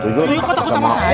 tuyul kok takut sama saya